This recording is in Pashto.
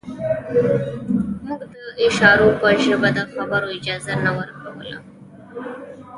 موږ د اشارو په ژبه د خبرو اجازه نه ورکوله